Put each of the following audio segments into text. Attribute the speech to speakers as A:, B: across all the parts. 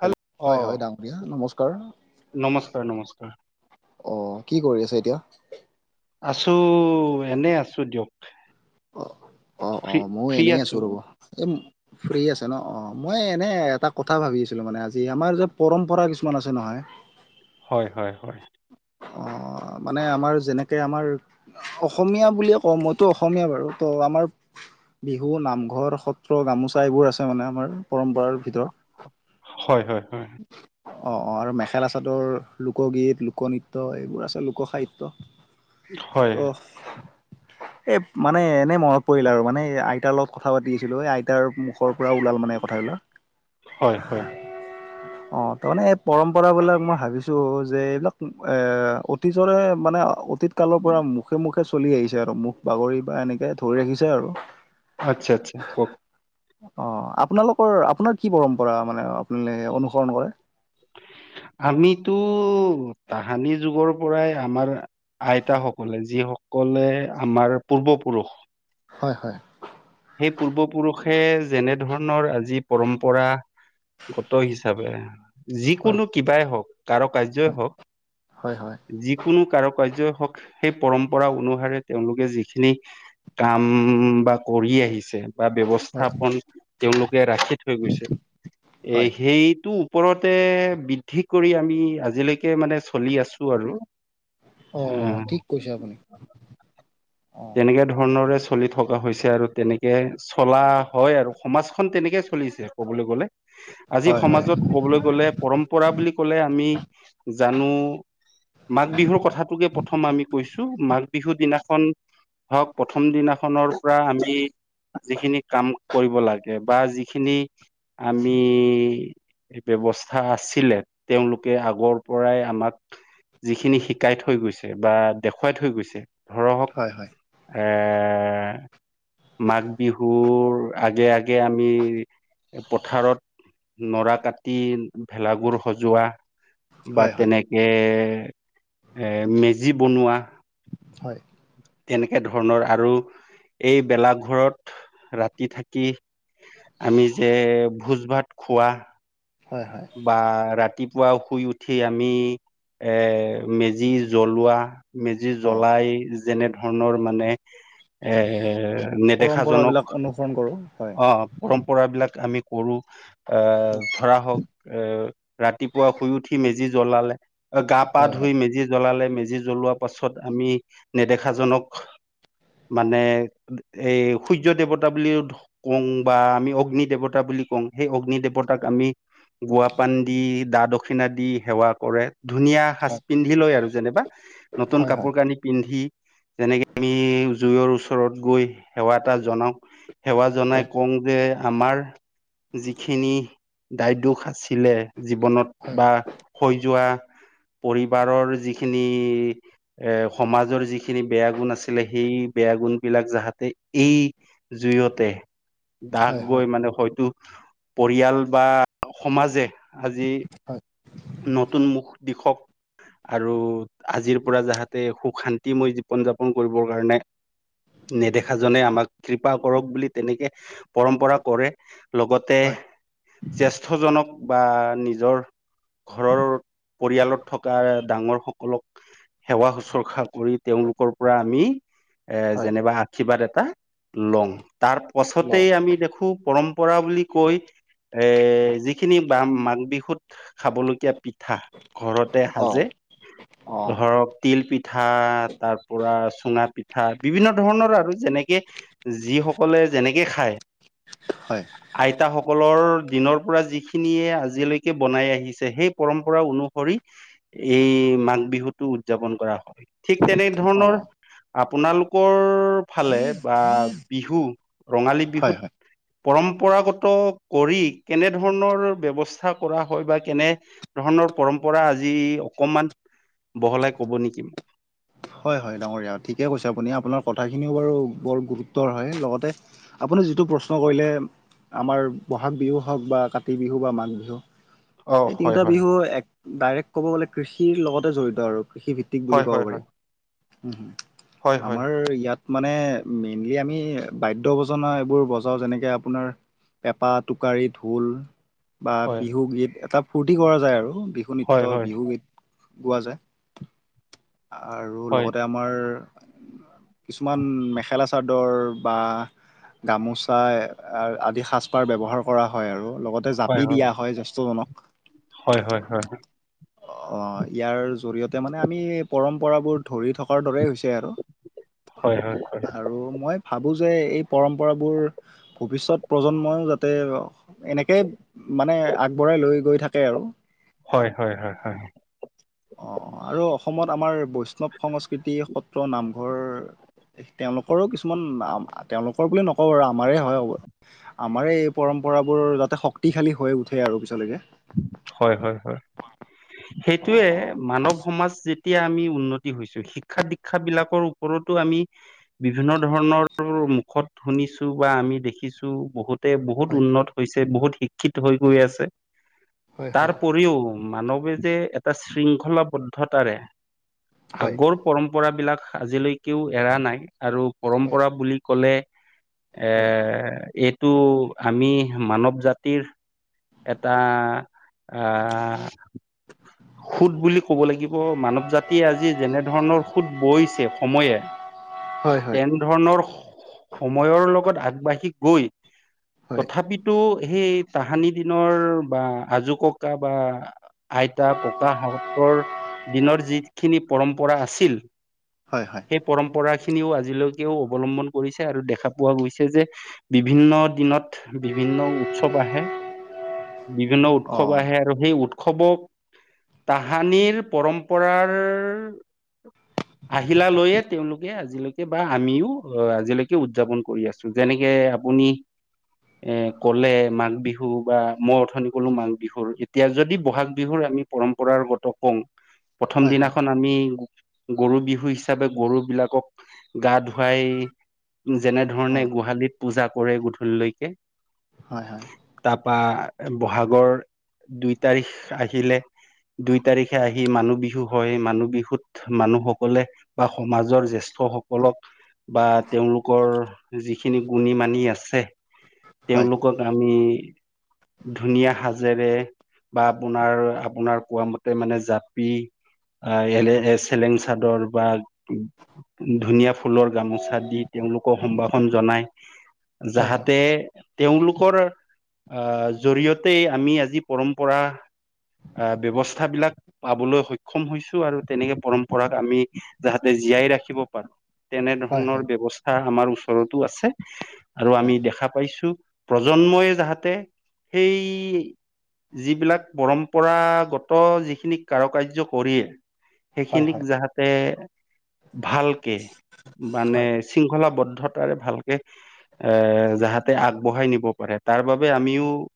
A: Hello হয় হয় ডাঙৰীয়া নমস্কাৰ
B: নমস্কাৰ নমস্কাৰ
A: অ কি [unintelligible]
B: আছো এনে আছো দিয়ক
A: অ অ অ
B: ফ্ৰী
A: মইও
B: ফ্ৰী
A: এনেই আছো ৰ'ব এ ফ্ৰী আছে ন অ মই এনে এটা কথা ভাবি আছিলো মানে আজি আমাৰ যে পৰম্পৰা কিছুমান আছে নহয় [unintelligible]
B: হয় হয় হয়
A: অ মানে আমাৰ যেনেকে আমাৰ অসমীয়া বুলিয়ে কওঁ মইতো অসমীয়া বাৰু ত' আমাৰ বিহু নামঘৰ সত্ৰ গামোচা এইবোৰ আছে মানে আমাৰ পৰম্পৰাৰ
B: হয় হয়
A: ভিতৰত অ অ আৰু মেখেলা চাদৰ লোকগীত লোকনৃত্য এইবোৰ আছে লোকসাহিত্য
B: হয়
A: ত
B: হয়
A: এ মানে এনেই মনত পৰিল আৰু মানে আইতাৰ লগত কথা পাতি আছিলো এ আই তাৰ মুখৰ পৰা ওলাল মানে কথাবিলাক
B: হয় হয়
A: অ তাৰ মানে এই পৰম্পৰা বিলাক মই ভাবিছো যে এইবিলাক এ অতীজৰে মা মানে অতীত কালৰ পৰা মুখে মুখে চলি আহিছে আৰু মুখ বাগৰি বা এনেকে ধৰি ৰাখিছে আৰু
B: আচ্ছা আচ্ছা কওঁক
A: অ আপোনালোকৰ আপোনাৰ কি পৰম্পৰা মানে আপোনাল অনুসৰণ কৰে [unintelligible]
B: আমিতো তাহানি যুগৰ পৰাই আমাৰ আইতাসকলে যি সকলে আমাৰ পূৰ্বপুৰুষ
A: হয় হয়
B: এই পূৰ্বপুৰুষে যেনে ধৰণৰ আজি পৰম্পৰা গত হিচাপে
A: হয়
B: যিকোনো কিবাই হওঁক কাৰো কাৰ্যই
A: হয়
B: হওক
A: হয় হয়
B: যিকোনো কাৰো কাৰ্যই [unintelligible] সেই পৰম্পৰা অনুসাৰে তেওঁলোকে যিখিনি কাম বা কৰি আহিছে বা
A: হয়
B: ব্যৱস্থাপন তেওঁলোকে ৰাখি থৈ গৈছে এ
A: হয়
B: সেইটো ওপৰতে বৃদ্ধি কৰি আমি আজিলৈকে মানে চলি আছো আৰু
A: অ
B: আহ
A: ঠিক কৈছে আপুনি অ'
B: তেনেকে ধৰণৰে চলি থকা হৈছে আৰু তেনেকে চলা হয় আৰু সমাজখন তেনেকে চলিছে ক'বলৈ গ'লে।
A: [inaudible]
B: আজি সমাজত কবলৈ গলে পৰম্পৰা বুলি কলে আমি জানো মাঘ বিহুৰ কথাটোকে প্ৰথম আমি কৈছো। মাঘ বিহুৰ দিনাখন হওক, প্ৰথম দিনাখনৰ পৰা আমি যিখিনি কাম কৰিব লাগে বা যিখিনি আমি বব্যৱস্থা আছিলে। তেওঁলোকে আগৰ পৰাই আমাক যিখিনি শিকাই থৈ গৈছে বা দেখুৱাই থৈ গৈছে ধৰক
A: হয় হয়।
B: এ, মাঘ বিহুৰ আগে-আগে আমি পথাৰত নৰা কাটি ভেলাঘৰ সজোৱা। বা
A: হয় হয়
B: তেনেকে এৰ মেজি বনোৱা।
A: হয়।
B: তেনেকে ধৰণৰ আৰু এই ভেলাঘৰ ত ৰাতি থাকি আমি যে ভোজ ভাত খোৱা।
A: হয় হয়।
B: বা ৰাতি পোৱা শুই উঠি আমি এ মেজি জ্বলোৱা। মেজি
A: অ'
B: জ্বলাই যেনে ধৰণৰ মানে এৰ নেদেখাজনক
A: পৰম্পৰাবিলাক অনুসৰণ কৰোঁ হয়।
B: অ' পৰম্পৰা বিলাক আমি কৰো এ ধৰা হওক এ ৰাতিপুৱা শুই উঠি মেজি জ্বলালে, গা -পা
A: হয় হয়।
B: ধুই মেজি জ্বলালে মেজি জ্বলোৱা পাছত আমি নেদেখাজনক, মানে এই সূৰ্য দেৱতা বুলিও কওঁ বা আমি অগ্নি দেৱতা বুলি বুলি কওঁ। সেই অগ্নি দেৱতাক আমি গোৱা পান দি দা দক্ষিণা দি সেৱা কৰে। ধুনীয়া সাজ
A: হয়
B: পিন্ধি লয় আৰু যেনেবা, নতুন
A: হয়
B: কাপোৰ
A: হয়
B: কানি পিন্ধি যেনেকে আমি জুইৰ ওচৰত গৈ সেৱা এটা জনাও, সেৱা জনাই
A: হয়
B: কওঁ যে, আমাৰ যিখিনি দায়িত্ব আছিলে, জীৱনত
A: হয়
B: বা হৈ যোৱা
A: [inaudible]
B: পৰিবাৰৰ যিখিনি এ সমাজৰ যিখিনি বেয়া গুণ আছিলে, সেই বেয়া গুণ গুণ বিলাক যাহতে এই জুইয়তে
A: হয়
B: দাগ
A: হয়
B: গৈ মানে হয়তো পৰিয়াল বা সমাজে আজি
A: হয়
B: নতুন মুখ দিশক আৰু আজিৰ পৰা যাহাতে সুখ শান্তি মই জীৱন যাপন কৰিবৰ কাৰণে নেদেখাজনে আমাক কৃপা কৰক বুলি তেনেকে পৰম্পৰা কৰে। লগতে
A: হয়
B: জেষ্ঠজনক বা নিজৰ ঘৰৰ পৰিয়ালত থকা ডাঙৰ সকলক সেৱা- শুশ্ৰূষা কৰি তেওঁলোকৰ পৰা আমি এ
A: হয়
B: যেনিবা আশীৰ্বাদ এটা লওঁ। তাৰ
A: ল
B: পাছতেই আমি দেখো পৰম পৰা বুলি কৈ এ যিখিনি ব মাঘ বিহুত খাবলগীয়া পিঠা ঘৰতে
A: অ
B: সাজে
A: অ
B: ধৰক তিল পিঠা, তাৰ পৰা চুঙা পিঠা, বিভিন্ন ধৰণৰ আৰু যেনেকে যিসকলে যেনেকে খায়।
A: হয়
B: আইতাসকলৰ দিনৰ পৰা যিখিনিয়ে আজিলৈকে বনাই আহিছে, সেই পৰম্পৰা অনুসৰি এই মাঘ বিহুতটো উদযাপন কৰা হয়। ঠিক তেনে
A: অ
B: ধৰণৰ আপোনালোকৰ ফালে বা বিহু ৰঙালী
A: হয়
B: বিহুত
A: হয়
B: পৰম্পৰাগত কৰি কেনে ধৰণৰ ব্যবস্থাৰ কৰা হয় বা কেনে ধৰণৰ পৰম্পৰা আজি অকমান বহলাই কব নেকি মোক।
A: হয় হয় ডাঙৰীয়া ঠিকে কৈছে আপুনি আপোনাৰ কথাখিনিও বাৰু বৰ গুৰুত্বৰ হয়। লগতে আপুনি যিটো প্ৰশ্ন কৰিলে আমাৰ বহাগ বিহু হওক বা কাতি বিহু বা মাঘ বিহু
B: অ
A: এই
B: হয়
A: তিনিটা
B: হয়
A: বিহু এক ডাইৰেক্ট ক'ব গ'লে কৃষিৰ লগতে জৰি়ত আৰু। কৃষিভিত্তিক বুলি
B: হয়
A: ক'ব
B: হয়
A: পাৰি।
B: হয় হয় হয়
A: আমাৰ ইয়াত মানে মেইনলি আমি বাদ্যৱজনা এইবোৰ বজাওঁ যেনেকে আপোনাৰ পেঁপা, টোকাৰি, ঢোল বা
B: হয়
A: বিহুগীত এটা ফূৰ্তি কৰা যায় আৰু বিহু
B: হয়
A: নৃত্য
B: হয়
A: বিহুগীত। গোৱা যায় আৰু
B: হয়
A: লগতে আমাৰ কিছুমান মেখেলা চাদৰ বা গামোচা আদি সাজপাৰ ব্যৱহাৰ কৰা হয় আৰু লগতে জাপি দিয়া হয় জেষ্ঠ জনক।
B: হয় হয় হয়
A: অ, ইয়াৰ জৰিয়তে মানে আমি পৰম্পৰাবোৰ ধৰি থকাৰ দৰে হৈছে। আৰু
B: হয় হয় হয়
A: আৰু মই ভাবোঁ যে এই পৰম্পৰাবোৰ ভৱিষ্যত প্ৰজন্মইো যাতে এনেকেই মানে আগবঢ়াই লৈ গৈ থাকে আৰু।
B: হয় হয় হয় হয়।
A: অ, আৰু অসমত আমাৰ বৈষ্ণৱ সংস্কৃতি সত্ৰ নামঘৰ তেওঁলোকৰো কিছুমান তেওঁলোকৰ বুলি নকব আৰু আমাৰে হয় হব আমাৰে এই পৰম্প ম্পৰাবোৰ যাতে শক্তিশালী হৈ উঠে আৰু পিছলেকে।
B: হয় হয় হয়
A: অ'
B: সেইটোৱে
A: অ'
B: মানৱ সমাজ যি এতিয়া আমি উন্নতি হৈছো শিক্ষা দীক্ষা বিলাকৰ ওপৰতো আমি বিভিন্ন ধৰণৰ মুখত শুনিছো বা আমি দেখিছো বহুত তে বহুত
A: হয়
B: উন্নত হৈছে বহুত শিক্ষিত হৈ গৈ আছে।
A: হয়
B: তাৰ
A: হয়
B: উপৰিও মানৱে যে এটা শৃংখলাবদ্ধতাৰে
A: হয়
B: আগৰ পৰম্পৰা বিলাক আজিলৈকেও এৰা নাই আৰু পৰম্পৰা বুলি কলে এ
A: হয়
B: এইটো আমি মানৱ জাতিৰ এটা আহ সুত বুলি ক'ব লাগিব মানৱ জাতিয়ে আজি যেনে ধৰণৰ সুত বৈছে সময়ে
A: হয় হয়
B: তেনে ধৰণৰ সময়ৰ লগত আগবাঢ়ি গৈ
A: হয়
B: তথাপিতো সেই তাহানি দিনৰ বা আজো ককা বা আইতা ভাগতৰ দিনৰ যিখিনি পৰম্পৰা আছিল
A: হয় হয় হয়
B: সেই পৰম্পৰা খিনিও আজিলৈকেও অৱলম্বন কৰিছে আৰু দেখা পোৱা গৈছে যে বিভিন্ন দিনত বিভিন্ন উৎসৱ আহে বিভিন্ন উৎসৱ
A: অ'
B: আহে আৰু সেই উৎসৱক তাহানিৰ পৰম্পৰাৰ আহিলা লৈয়ে তেওঁলোকে আজিলৈকে বা আমিও আহ আজিলৈকে উদযাপন কৰি আছো। যেনেকে আপুনি এ ক'লে মাঘ, বিহু বা মই অথনি কলো মাঘ বিহুৰ এতিয়া যদি বহাগ, বি বিহুৰ আমি পৰম্পৰাৰগত কওঁ প্ৰথম
A: হয় হয়
B: দিনাখন আমি গৰু, বিহু হিচাপে গৰু বিলাকক গা ধু ৱাই যেনে ধৰণে
A: অ'
B: গোহালিত পূজা কৰে গধূলিলৈকে
A: হয় হয়
B: তাৰপা বহাগৰ দুই তাৰিখ আহিলে দুই তাৰিখে আহি মানুহ বিহু হয় মানুহ বিহুত মানুহসকলে বা সমাজৰ জেষ্ঠ সকলক বা তেওঁলোকৰ যিখিনি গুণী মানি আছে
A: হয় হয়
B: তেওঁলোকক আমি ধুনীয়া সাজেৰে বা আপোনাৰ, আপোনাৰ কোৱা মতে মানে জাপি আ'এলে যে চেলেং চাদৰ বা- ধুনীয়া ফুলৰ গামোচা, দি তেওঁলোকক সম্ভাষণ জনায়
A: হয় হয়
B: যাহাতে তেওঁলোকৰ- আ'জৰিয়তে আমি আজি পৰম্পৰা-
A: [inaudible]
B: আ' ব্যৱস্থা বিলাক পাবলৈ সক্ষম হৈছো আৰু তেনেকে পৰম্পৰাক আমি যাহতে জীয়াই। ৰাখিব পাৰো।
A: হয়
B: তেনেধৰণৰ ব্যৱস্থা আমাৰ ওচৰতো আছে আৰু আমি দেখা পাইছো। প্ৰজন্মই যাহাতে সেই যিবিলাক পৰম্পৰাগত যিখিনিক কাৰু কাৰ্য কৰি
A: হয় হয়
B: সেইখিনিক যাহতে- ভালকে মানে
A: হয়
B: শৃংখলাবদ্ধ- ৰে ভালকে এ যাহাতে আগবঢ়াই নিব পাৰে তাৰ বাবে আমিও-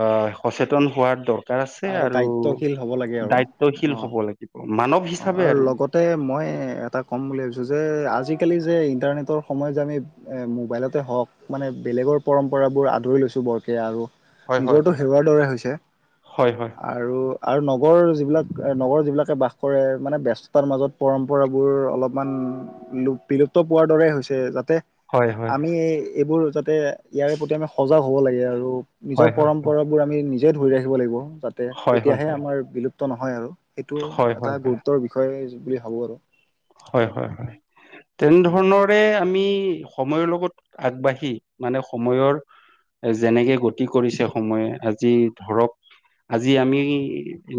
B: অ' সচেতন হোৱাত আছে আৰু
A: দায়িত্বশীল হ'ব লাগে আৰু
B: দায়িত্বশীল
A: অ'
B: হব লাগিব। মানৱ
A: অ,
B: হিচাপে
A: আৰু লগতে মই এটা ক'ম বুলি ভাবিছো যে আজিকালি যে ইণ্টাৰনেটৰ সময়ত যে আমি মোবাইলতে হওঁক মানে বেলেগৰ পৰম্পৰাবোৰ আদৰি লৈছোঁ বৰকৈ আৰু-
B: হয় হয়
A: নিজৰটো
B: হয়।
A: সেৱাৰ দৰে হৈছে।
B: হয় হয়
A: আৰু আৰু নগৰ যিবিলাক নগৰৰ যিবিলাকে বাস- কৰে মানে ব্যস্তৰ মাজত পৰম্পৰাবোৰ অলপমান বিলুপ্ত পোৱাৰ দৰে হৈছে। যা তে
B: হয়
A: আমি এইবোৰ যাতে ইয়াৰে প্ৰতি আমি সজাগ হ'ব লাগে আৰু- নিজৰ
B: হয়
A: পৰম্পৰাবোৰ আমি নিজে ধৰি ৰাখিব লাগিব যাতে
B: হয় হয় হয়
A: তেতিয়াহে
B: হয়
A: আমাৰ বিলুপ্ত নহয় আৰু সেইটো
B: হয় হয়
A: এটা
B: হয় হয়।
A: গুৰুত্বৰ বিষয় বুলি ভাবোঁ আৰু।
B: হয়, হয়, হয়
A: হয়
B: তেনেধৰণৰে আমি- সময়ৰ লগত আগবাঢ়ি মানে সময়ৰ- এ যেনেকে গতি কৰিছে সময়ে আজি ধৰক- আজি আমি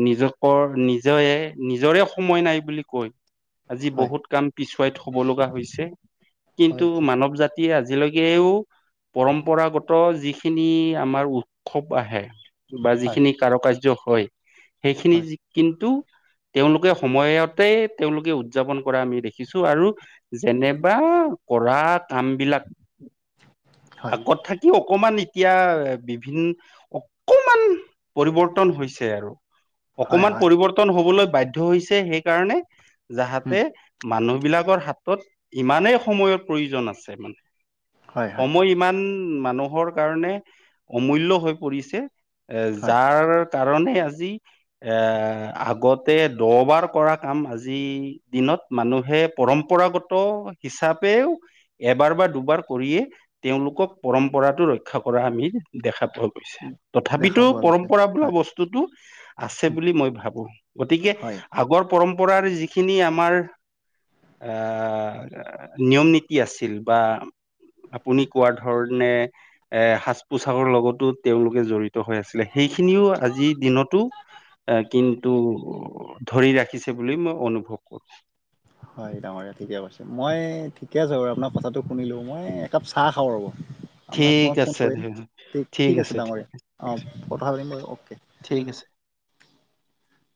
B: নিজকৰ নিজৰে নিজৰে সময় নাই বুলি কৈ- আজি
A: হয়
B: বহুত কাম পিছুৱাই থব লগা হৈছে, কিন্তু
A: হয়
B: মানৱ জাতি এ আজিলৈকেও পৰম্পৰাগত যিখিনি আমাৰ উৎসৱ আহে। বা যিখিনি কাৰু কাৰ্য হয় সেইখিনি
A: হয়
B: কিন্তু তেওঁলোকে সময়তে তেওঁলোকে উদযাপন কৰা আমি দেখিছো আৰু যেনেবা কৰা কাম বিলাক-
A: হয়
B: আগত থাকি অকমান ই এতিয়া বিভিন অকমান পৰিৱৰ্তন হৈছে আৰু।
A: হয়
B: অকমান
A: হয়
B: পৰিৱৰ্তন হবলৈ বাধ্য হৈছে সেইকাৰণে
A: উম
B: যাহাতে- মানুহবিলাকৰ হাতত ইমানেই সময়ৰ প্ৰয়োজন আছে মানে।
A: হয় হয়
B: সময় ইমান মানুহৰ কাৰণে অমূল্য হৈ পৰিছে। এ
A: হয়
B: যাৰ কাৰণে আজি এ আগতে দহ বাৰ কৰা কাম আজি দিনত মানুহে পৰম্পৰাগত হিচাপেও এবাৰ বা দুবাৰ কৰিয়ে তেওঁলোকক পৰম্পৰাটো ৰক্ষা কৰা আমি দেখা পা পোৱা গৈছে
A: দেখা
B: তথাপিতো
A: পোৱা গৈছে
B: পৰম্পৰা বোলা
A: হয়
B: বস্তুটো আছে
A: উম,
B: বুলি মই ভাবো। গতিকে,
A: হয়
B: আগৰ পৰম্পৰাৰ যিখিনি আমাৰ এ নিয়ম নীতি আছিল বা আপুনি কোৱা ধৰণে এ সাজ পোছাকৰ লগতো তেওঁলোকে জড়িত হৈ আছিলে সেইখিনিও আজিৰ দিনতো এ কিন্তু ধৰি ৰাখিছে বুলি মই অনুভৱ কৰো।
A: হ হয়, ডাঙৰীয়া ঠিকে কৈছে মই ঠিকে আছে বাৰু আপোনাৰ কথাটো শুনিলো মই একাপ চাহ খাওঁ ৰ'ব। আপোনাক
B: ঠিক
A: মই ফোন
B: আছে
A: কৰিম ঠিক ঠিক আছে ডাঙৰীয়া অ, কথা পাতিম মই অ'কে।
B: ঠিক আছে।
A: [unintelligible]